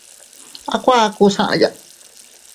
A kuakus aʼaya.